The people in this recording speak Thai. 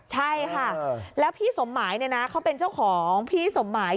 ใช่ค่ะแล้วพี่สมหมายเนี่ยนะเขาเป็นเจ้าของพี่สมหมาย